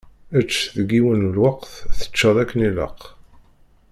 Ečč deg yiwen n lweqt, teččeḍ akken ilaq.